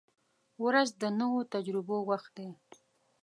• ورځ د نویو تجربو وخت دی.